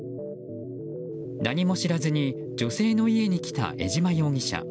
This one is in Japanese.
何も知らずに女性の家に来た江島容疑者。